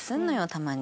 たまに。